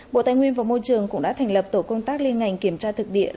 bộ tài nguyên và môi trường cũng đã thành lập tổ công tác liên ngành kiểm tra thực địa